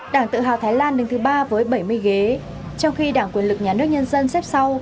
đảng tự hào thái lan đứng thứ ba với bảy mươi ghế trong khi đảng quyền lực nhà nước nhân dân xếp sau